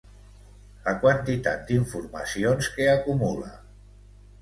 la quantitat d'informacions que acumula